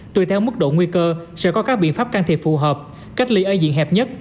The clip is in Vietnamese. tùy theo mức độ nguy cơ sẽ có các biện pháp can thiệp phù hợp cách ly ở diện hẹp nhất